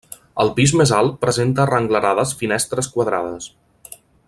El pis més alt presenta arrenglerades finestres quadrades.